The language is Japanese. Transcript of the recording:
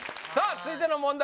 続いての問題